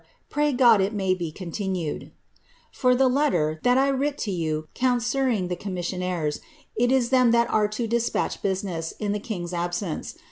Pray God it may (be) eotUimttd. For the letter tliat 1 writt to you eourutming the eommis$kmaire»j it is them that are tot dispatch bu$nne$$e in the king's absence.